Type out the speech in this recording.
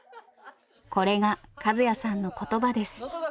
これが和也さんの言葉です。